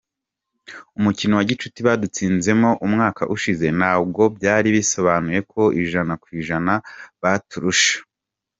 Umukino wa gishuti badutsinzemo umwaka ushize ntabwo byari bisobanuye ko ijana ku ijana baturusha.